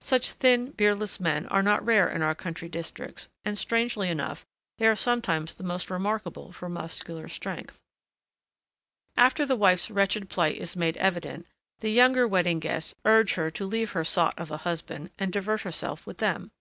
Such thin, beardless men are not rare in our country districts, and, strangely enough, they are sometimes the most remarkable for muscular strength. After the wife's wretched plight is made evident, the younger wedding guests urge her to leave her sot of a husband and divert herself with them.